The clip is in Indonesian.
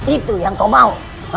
itu yang kau mau